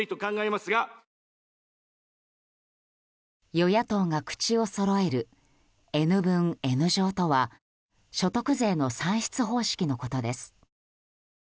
与野党が口をそろえるＮ分Ｎ乗とは所得税の算出方式のことです。